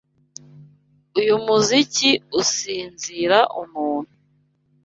Uyu muziki usinzira umuntu.